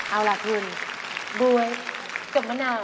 เอาล่ะคุณบ๊วยกับมะนาว